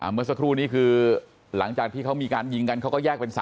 เมื่อสักครู่นี้คือหลังจากที่เขามีการยิงกันเขาก็แยกเป็น๓